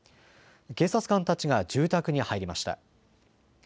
警察官たちが住宅に入りました。